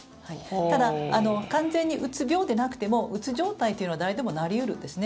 ただ、完全にうつ病でなくてもうつ状態というのは誰でもなり得るんですね。